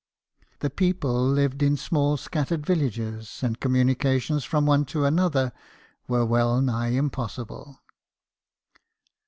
The people lived in small scattered villages, and communications from one to another were well nigh impossible.